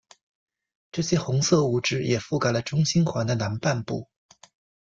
这些红色物质也覆盖了中心环的南半部。